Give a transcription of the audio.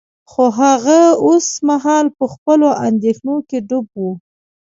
خو هغه اوس مهال په خپلو اندیښنو کې ډوب و